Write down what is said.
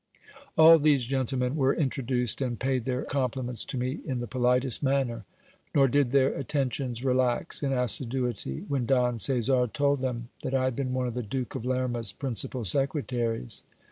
All these gentleman were introduced, and paid their compliments to me in the politest manner ; nor did their attentions relax in assiduity, when Don Caesar told them that I had been one of the Duke of Lerma's principal secre taries.